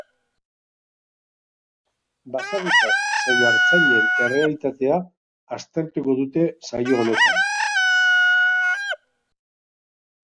Baserritar zein artzainen errealitatea aztertuko dute saio honetan.